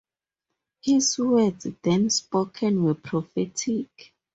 His words then spoken were prophetic.